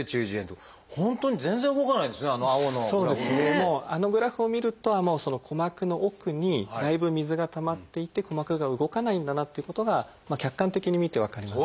もうあのグラフを見ると鼓膜の奥にだいぶ水がたまっていて鼓膜が動かないんだなっていうことが客観的に見て分かります。